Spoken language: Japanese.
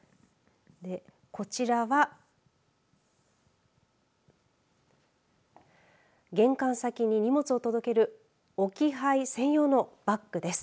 こちらは玄関先に荷物を届ける置き配専用のバッグです。